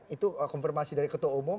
itu konfirmasi dari ketua umum